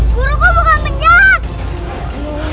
guru gue bukan penjahat